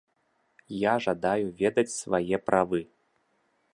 Я жадаю ведаць свае правы!